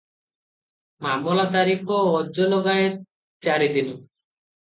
ମାମଲା ତାରିଖ ଆଜଲଗାଏତ ଚାରିଦିନ ।